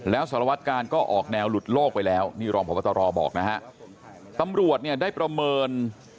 แล้วสารวัตกาลก็ออกแนวหลุดโลกไปแล้วนี่รองพบตรบอกนะฮะตำรวจเนี่ยได้ประเมิน